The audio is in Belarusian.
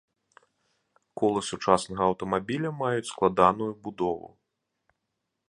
Колы сучаснага аўтамабіля маюць складаную будову.